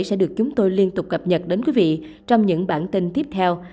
sẽ được chúng tôi liên tục cập nhật đến quý vị trong những bản tin tiếp theo